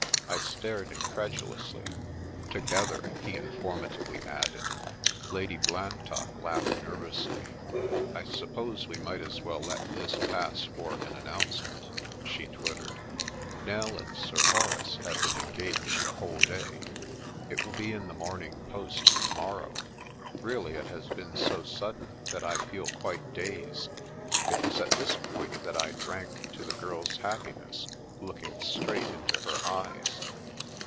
I stared in credulously. " Together," he informatively added. Lady Blantock laughed nervously. " I suppose we might as well let this pass for an announcement ?" she twittered. " Nell and Sir Horace have been en gaged a whole day. It will be in the Morning Post to morrow. Really, it has been so sudden that I feel quite dazed." It was at this point that I drank to the girl's hap piness, looking straight into her eyes.